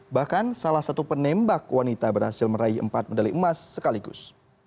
bahkan salah satu penembak wanita berhasil meraih empat medali emas sekaligus